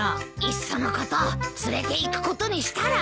いっそのこと連れていくことにしたら？